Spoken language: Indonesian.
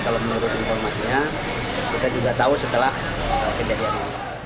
kalau menurut informasinya kita juga tahu setelah kejadian ini